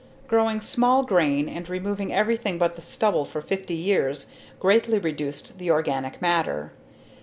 Growing small grain and removing everything but the stubble for fifty years greatly reduced the organic matter.